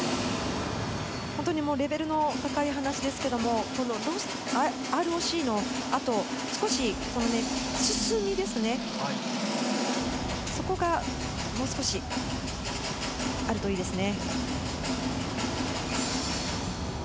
本当にレベルの高い話ですけれど、ＲＯＣの後、少し進み、そこが、もう少しあるといいですね。